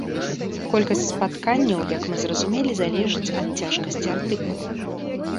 Колькасць спатканняў, як мы зразумелі, залежыць ад цяжкасці артыкула.